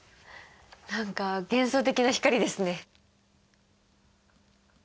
何か幻想的な光ですね。